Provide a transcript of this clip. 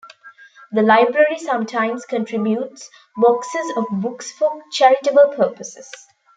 The library sometimes contributes boxes of books for charitable purposes.